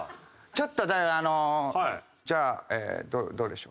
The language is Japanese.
ちょっとだからあのじゃあどれにしよう？